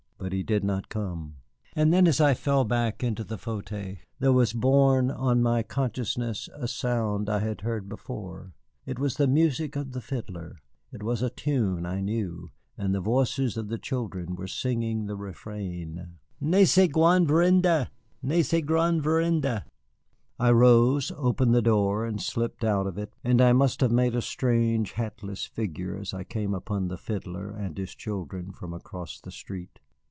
But he did not come. And then, as I fell back into the fauteuil, there was borne on my consciousness a sound I had heard before. It was the music of the fiddler, it was a tune I knew, and the voices of the children were singing the refrain: "Ne sait quand reviendra, Ne sait quand reviendra." I rose, opened the door, and slipped out of it, and I must have made a strange, hatless figure as I came upon the fiddler and his children from across the street.